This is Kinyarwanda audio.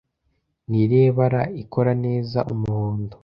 Ni irihe bara ikora neza Umuhondo